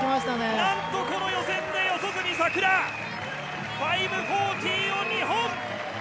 なんと、この予選で四十住さくら、５４０を２本！